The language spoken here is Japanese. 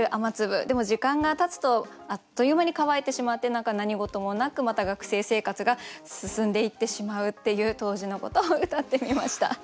でも時間がたつとあっという間に乾いてしまって何か何事もなくまた学生生活が進んでいってしまうっていう当時のことをうたってみました。